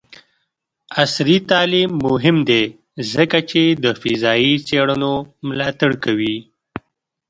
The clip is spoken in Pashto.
عصري تعلیم مهم دی ځکه چې د فضايي څیړنو ملاتړ کوي.